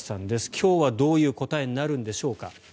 今日はどういう答えになるんでしょうか。